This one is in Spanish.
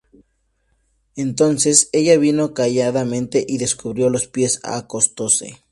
Entonces ella vino calladamente, y descubrió los pies, y acostóse.